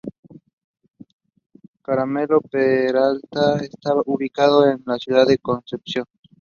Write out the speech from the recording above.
Carmelo Peralta" está ubicado en la ciudad de Concepción.